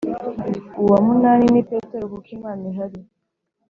uwa munani ni Petero kuko Imana ihari